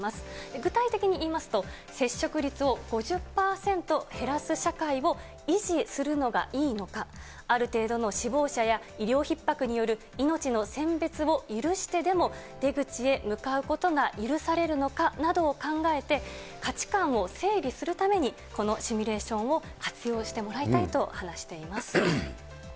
具体的にいいますと、接触率を５０％減らす社会を維持するのがいいのか、ある程度の死亡者や医療ひっ迫による命の選別を許してでも出口へ向かうことが許されるのかなどを考えて、価値観を整理するために、このシミュレーションを活用してもらいたいと話しています。